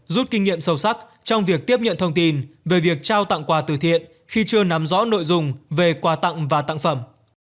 rút kinh nghiệm sâu sắc trong việc tiếp nhận thông tin về việc trao tặng quà từ thiện khi chưa nắm rõ nội dung về quà tặng và tặng phẩm